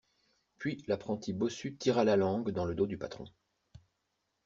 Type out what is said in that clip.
Puis l'apprenti bossu tira la langue dans le dos du patron.